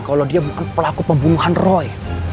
kalau dia bukan pelaku pembunuhan roy